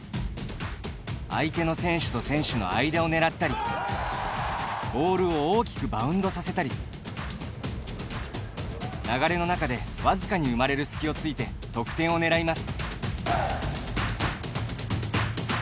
相手の選手と選手の間を狙ったりボールを大きくバウンドさせたり流れの中で、僅かに生まれる隙を突いて得点を狙います。